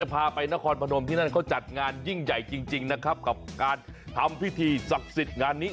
พาไปนครพนมที่นั่นเขาจัดงานยิ่งใหญ่จริงนะครับกับการทำพิธีศักดิ์สิทธิ์งานนี้